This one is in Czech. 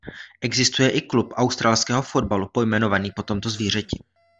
Existuje i klub australského fotbalu pojmenovaný po tomto zvířeti.